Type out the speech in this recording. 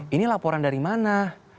ini laporan dari mana